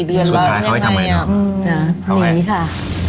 หนีค่ะ